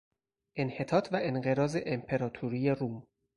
انحطاط و انقراض امپراطوری روم